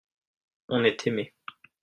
on est aimé.